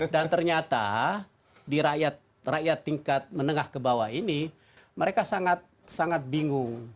dan ternyata di rakyat tingkat menengah ke bawah ini mereka sangat sangat bingung